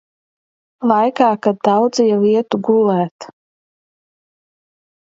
Laikā, kad daudzi jau ietu gulēt.